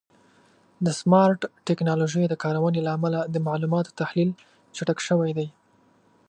د سمارټ ټکنالوژیو د کارونې له امله د معلوماتو تحلیل چټک شوی دی.